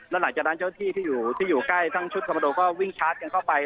แล้วหลังจากนั้นเจ้าที่ที่อยู่ใกล้ทั้งชุดคอมโมโดก็วิ่งชาร์จกันเข้าไป